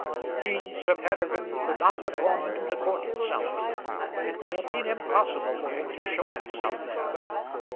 He, Sir Peregrine, could not have gone into the court himself. It would have been impossible for him to show himself there.